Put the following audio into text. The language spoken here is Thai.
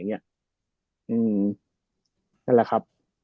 นั่นแหละครับ